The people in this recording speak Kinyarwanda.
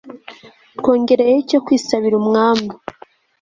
twongereyeho icyo kwisabira umwami